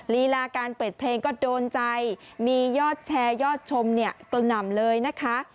ลีลาการเปิดเพลงก็โดนใจมียอดแชร์ยอดชมเนี่ยกระหน่ำเลยนะคะ